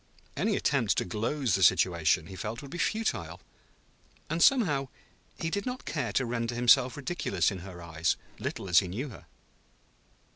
Any attempt to gloze the situation, he felt, would be futile. And, somehow, he did not care to render himself ridiculous in her eyes, little as he knew her.